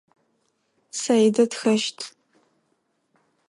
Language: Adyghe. Саидэ тхэщт.